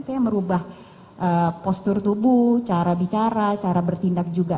saya merubah postur tubuh cara bicara cara bertindak juga